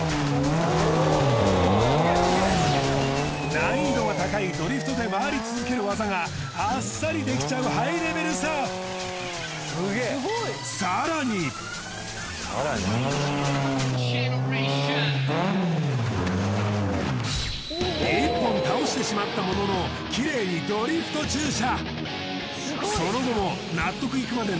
難易度が高いドリフトで回り続けるワザがあっさりできちゃうハイレベルさ１本倒してしまったもののキレイにドリフト駐車